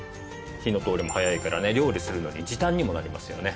火の通りも早いからね料理するのに時短にもなりますよね。